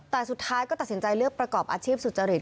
แต่สุดท้ายก็ตัดสินใจเลือกประกอบอาชีพสุจริต